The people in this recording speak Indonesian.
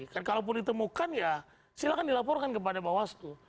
dan kalau pun ditemukan ya silakan dilaporkan kepada bawastu